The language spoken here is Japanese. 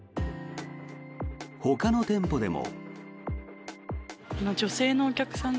ほかの店舗でも。